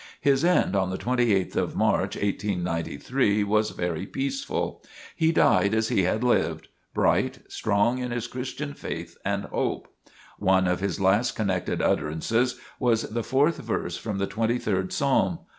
His end on the 28th of March, 1893, was very peaceful. He died as he had lived bright, strong in his Christian faith and hope. One of his last connected utterances was the fourth verse from the twenty third Psalm.